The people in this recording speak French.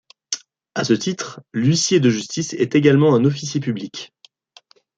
À ce titre, l'huissier de justice est également un officier public.